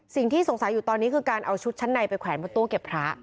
สิ่งที่สงสัยอยู่ตอนนี้คือการเอาชุดชั้นในไปแขวนบนตู้เก็บพระ